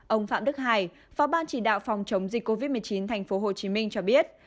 ông phạm đức hải phó ban chỉ đạo phòng chống dịch covid một mươi chín thành phố hồ chí minh cho biết